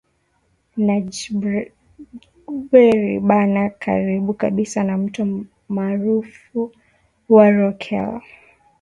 na Gberi Bana karibu kabisa na mto maarufu wa Rokel